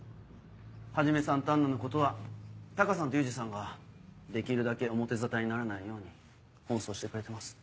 始さんとアンナのことはタカさんとユージさんができるだけ表沙汰にならないように奔走してくれてます。